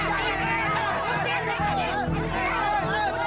udah jangan dikasih hamput udah